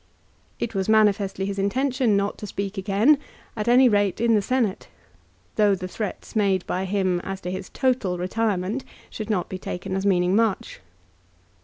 It was manifestly his intention not to speak again, at any rate in the Senate ; though the threats made by him as to his total retirement should not be taken as meaning much.